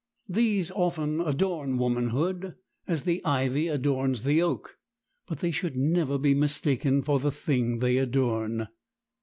These often adorn womanhood, as the ivy adorns the oak, but they should never be mistaken for the thing they adorn.